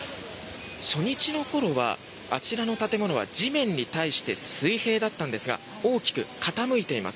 初日の頃は、あちらの建物は地面に対して水平だったんですが大きく傾いています。